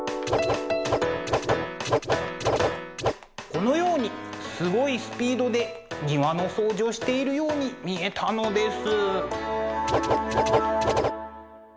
このようにすごいスピードで庭の掃除をしているように見えたのです。